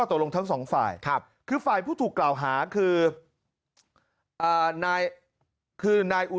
ตกลงทั้งสองฝ่ายคือฝ่ายผู้ถูกกล่าวหาคือนายคือนายอุ